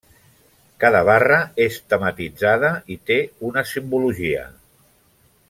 Cada barra és tematitzada i té una simbologia.